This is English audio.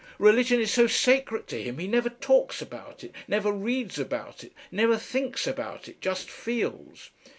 "Religion is so sacred to him he never talks about it, never reads about it, never thinks about it. Just feels!"